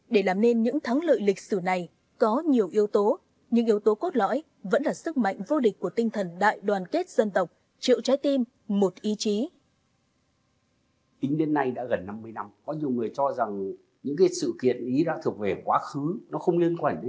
để làm nên những thắng lợi lịch sử này có nhiều yếu tố nhưng yếu tố cốt lõi vẫn là sức mạnh vô địch của tinh thần đại đoàn kết dân tộc triệu trái tim một ý chí